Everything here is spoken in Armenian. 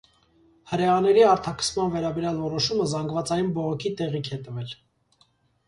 Հրեաների արտաքսման վերաբերյալ որոշումը զանգվածային բողոքի տեղիք է տվել։